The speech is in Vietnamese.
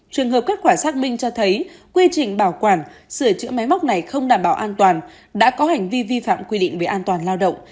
trường hợp kết quả xác minh cho thấy quy trình bảo quản sửa chữa máy móc này không đảm bảo an toàn đã có hành vi vi phạm quy định về an toàn lao động